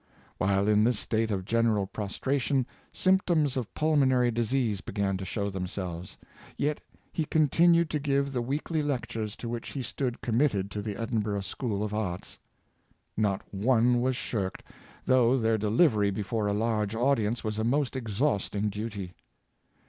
While in this state of general prostration, symptoms of pulmonary disease began to show them His Unwearying' Industry, 505 selves. Yet he continued to give the weekly lectures to which he stood committed to the Edinburgh school of Arts. Not one was shirked, though their delivery before a large audience was a most exhausting duty.